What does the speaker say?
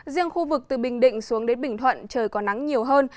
riêng khu vực từ bình định xuống đến bình thuận trời có nắng nhiều hơn